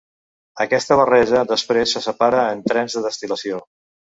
Aquesta barreja després se separa en trens de destil·lació.